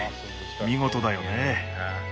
見事だよね。